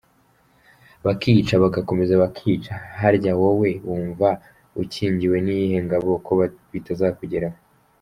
Bakica, bagakomeza bakica; harya wowe wunva ukingiwe n’iyihe ngabo ko bitazakugeraho?